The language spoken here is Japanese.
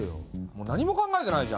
もう何も考えてないじゃん。